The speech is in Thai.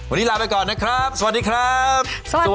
วันนี้ลาไปก่อนนะครับสวัสดีครับ